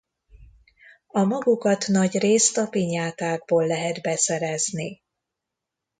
A magokat nagyrészt a pinyátákból lehet beszerezni.